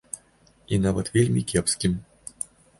І нават вельмі кепскім.